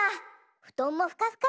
ふとんもふかふかだ。